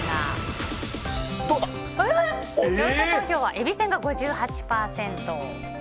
視聴者投票は、えびせんが５８％。